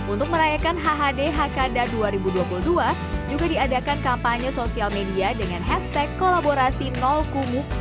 untuk merayakan hhd hakada dua ribu dua puluh dua juga diadakan kampanye sosial media dengan hashtag kolaborasi nol kumuh